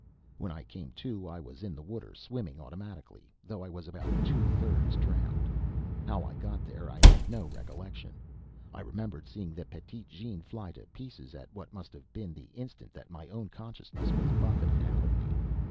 When I came to I was in the water, swimming automatically, though I was about two thirds drowned. How I got there I had no recollection. I remembered seeing the Petite Jeanne fly to pieces at what must have been the instant that my own consciousness was buffeted out of me.